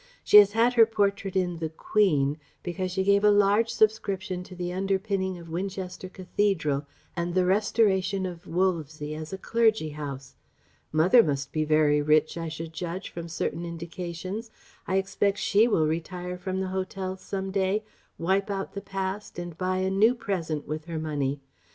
She has had her portrait in the Queen because she gave a large subscription to the underpinning of Winchester Cathedral and the restoration of Wolvesey as a clergy house.... Mother must be very rich, I should judge, from certain indications. I expect she will retire from the 'Hotels,' some day, wipe out the past, and buy a new present with her money....